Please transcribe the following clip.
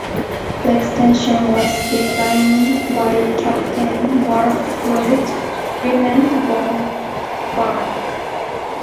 The extension was designed by Captain Wilfred Clement Von Berg.